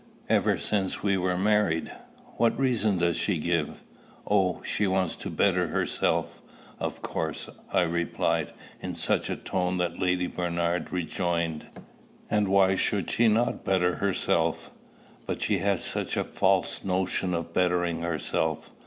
"Ever since we were married." "What reason does she give?" "Oh! she wants to better herself, of course," I replied, in such a tone, that Lady Bernard rejoined, "And why should she not better herself?" "But she has such a false notion of bettering herself.